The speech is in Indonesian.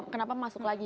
kenapa masuk lagi